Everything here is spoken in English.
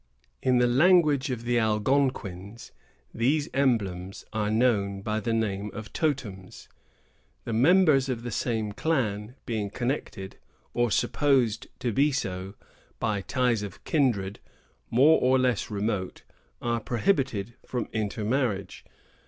In the language of the Algonquins, these emblems are known by the name of Totems. The members of the same clan, being connected, or supposed to be so, by ties of kindred, more or less remote, are prohibited from intermarriage.